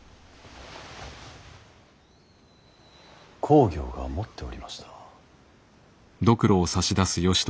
公暁が持っておりました。